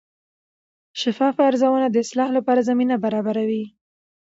شفاف ارزونه د اصلاح لپاره زمینه برابروي.